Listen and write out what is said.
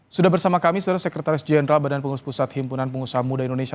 sudah bersama kami saudara sekretaris jenderal badan pengurus pusat himpunan pengusaha muda indonesia